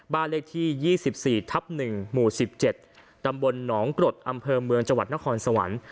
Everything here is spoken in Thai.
บ้านเลขที่๒๔ทับ๑หมู่๑๗ตำบลหนองกรดอำเภอเมืองจังหวัดนครสวรรค์